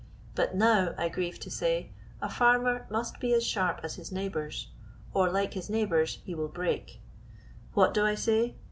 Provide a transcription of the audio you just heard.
But now, I grieve to say, a farmer must be as sharp as his neighbors, or like his neighbors he will break. What do I say?